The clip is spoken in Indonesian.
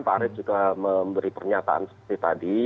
pak arief juga memberi pernyataan seperti tadi